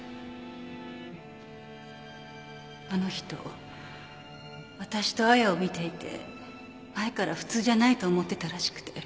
あの人わたしと亜矢を見ていて前から普通じゃないと思ってたらしくて。